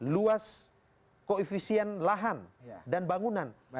luas koefisien lahan dan bangunan